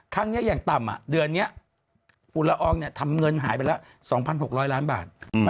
ครั้งนี้อย่างต่ำอะเดือนนี้ฟุลละอองเนี่ยทำเงินหายไปแล้ว๒๖๐๐ล้านบาท